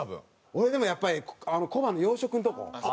俺でもやっぱりコバの洋食のとこ。